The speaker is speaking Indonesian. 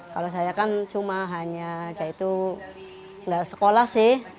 kalau saya kan cuma hanya saja itu nggak sekolah sih